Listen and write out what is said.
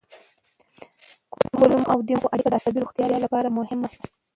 کولمو او دماغ اړیکه د عصبي روغتیا لپاره مهمه ده.